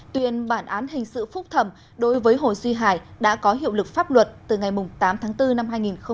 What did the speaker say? tuyên bản án hình sự phúc thẩm đối với hồ duy hải đã có hiệu lực pháp luật từ ngày tám tháng bốn năm hai nghìn hai mươi